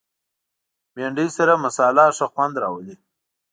بېنډۍ سره مصالحه ښه خوند راولي